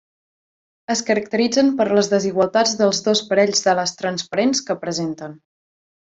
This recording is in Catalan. Es caracteritzen per les desigualtats dels dos parells d'ales transparents que presenten.